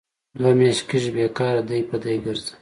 دوه میاشې کېږي بې کاره ډۍ په ډۍ کرځم.